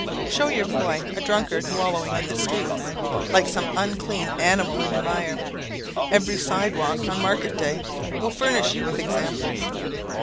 Show your boy a drunkard wallowing in the streets, like some unclean animal in the mire. Every side walk, on a market day, will furnish you with examples.